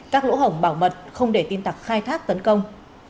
các lỗ hổng bảo mật không để tin tặc khai thác tấn công